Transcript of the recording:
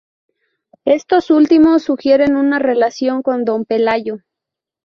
Estos últimos sugieren una relación con Don Pelayo.